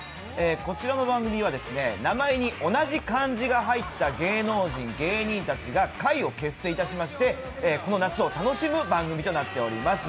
こちらの番組は、名前に同じ漢字が入った芸能人、芸人たちか会を結成いたしまして、この夏を楽しむ番組となっています。